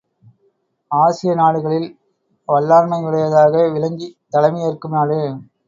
ஆசியநாடுகளில் வல்லாண்மையுடையதாக விளங்கித் தலைமையேற்கும் நாடு.